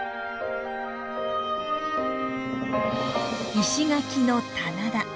石垣の棚田。